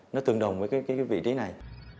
nó tương đồng với cái vị trí này